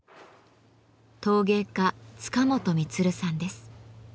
陶芸家塚本満さんです。